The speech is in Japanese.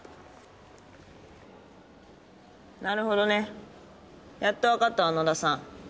なるほどね。やっと分かったわ野田さん